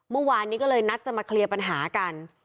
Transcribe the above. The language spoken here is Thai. เมื่อวานนี้ก็เลยนัดจะมาเคลียร์ปัญหากัน